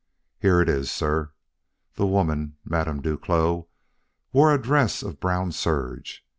Here it is, sir. The woman Madame Duclos wore a dress of brown serge.